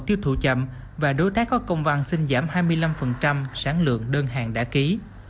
tiêu thụ chậm và đối tác có công văn xin giảm hai mươi năm sản lượng đơn hàng đã ký